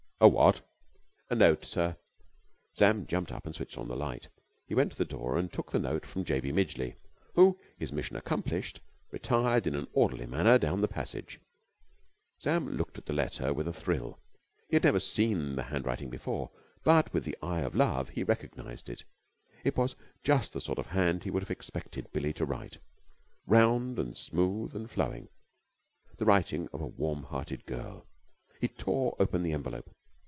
"A what?" "A note, sir." Sam jumped up and switched on the light. He went to the door and took the note from J. B. Midgeley, who, his mission accomplished, retired in an orderly manner down the passage. Sam looked at the letter with a thrill. He had never seen the hand writing before, but, with the eye of love, he recognized it. It was just the sort of hand he would have expected Billie to write, round and smooth and flowing, the writing of a warm hearted girl. He tore open the envelope.